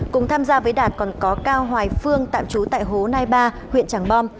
cùng tham gia với đạt còn có cao hoài phương tạm trú tại hố nai ba huyện tràng bom